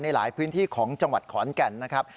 หลายพื้นที่ของจังหวัดขอนแก่นนะครับ